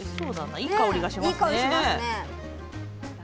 いい香りがします。